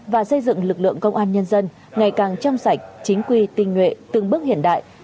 và xây dựng lực lượng công an nhân dân ngày càng chăm sạch chính quy tinh nguyện tương bức hiện đại